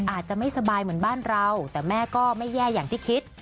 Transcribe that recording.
อาจจะไม่สบายเหมือนบ้านเราแต่แม่ก็ไม่แย่อย่างที่คิด